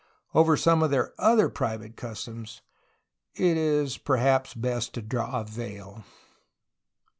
Over some of their other private customs it is perhaps best to draw a veil